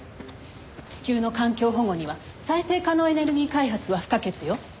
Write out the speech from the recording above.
地球の環境保護には再生可能エネルギー開発は不可欠よ。